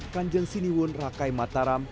kanjeng siniwun rakai mataram